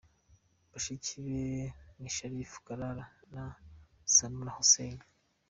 Bashiki be ni Sharifa Kalala na Sanura Hussein.